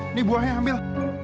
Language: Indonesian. ini buahnya ambil